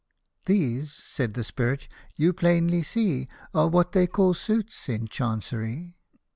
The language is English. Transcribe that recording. "These," said the Spirit, "you plainly see, " Are what they call suits in Chancery